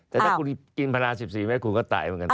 แต่ถ้าคุณกินพลา๑๔เมตรคุณก็ตายเหมือนกัน